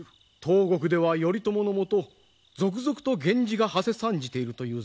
東国では頼朝のもと続々と源氏がはせ参じているというぞ。